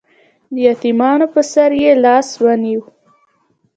د یتیمانو په سر یې لاس ونیو